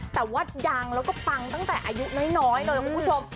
แต่ว่าดังแล้วก็ปังตั้งแต่อายุน้อยเลยคุณผู้ชม